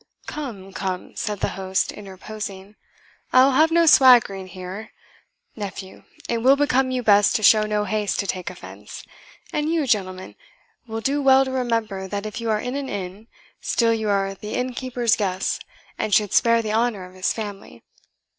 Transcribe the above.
"Come, come," said the host, interposing, "I will have no swaggering here. Nephew, it will become you best to show no haste to take offence; and you, gentlemen, will do well to remember, that if you are in an inn, still you are the inn keeper's guests, and should spare the honour of his family.